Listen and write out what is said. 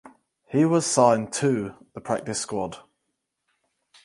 He was signed to the practice squad.